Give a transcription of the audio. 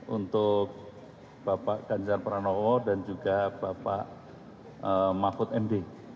untuk bapak ganjar pranowo dan juga bapak mahfud md